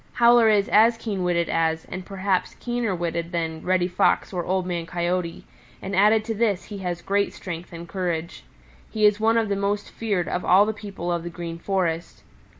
Howler is as keen witted as, and perhaps keener witted than, Reddy Fox or Old Man Coyote, and added to this he has great strength and courage. He is one of the most feared of all the people of the Green Forest.